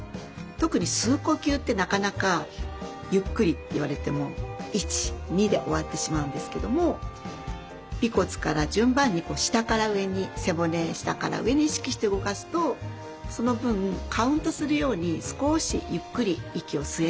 特に吸う呼吸ってなかなかゆっくりって言われても１２で終わってしまうんですけども尾骨から順番に下から上に背骨下から上に意識して動かすとその分カウントするように少しゆっくり息を吸えるようになります。